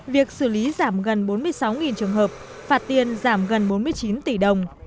việc xử lý giảm gần bốn mươi sáu trường hợp phạt tiền giảm gần bốn mươi chín tỷ đồng